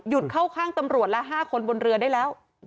เข้าข้างตำรวจละ๕คนบนเรือได้แล้ว